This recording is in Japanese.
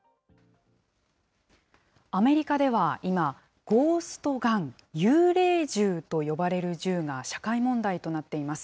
アメリカでは今、ゴースト・ガン・幽霊銃と呼ばれる銃が社会問題となっています。